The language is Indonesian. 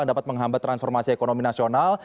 dapat menghambat transformasi ekonomi nasional